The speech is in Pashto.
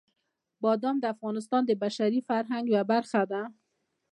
بادام د افغانستان د بشري فرهنګ یوه برخه ده.